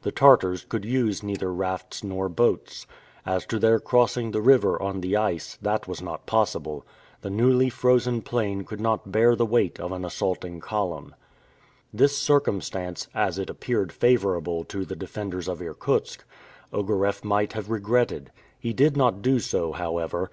The Tartars could use neither rafts nor boats. As to their crossing the river on the ice, that was not possible. The newly frozen plain could not bear the weight of an assaulting column. This circumstance, as it appeared favorable to the defenders of Irkutsk, Ogareff might have regretted. He did not do so, however.